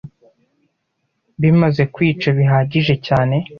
bimaze kwica bihagije cyane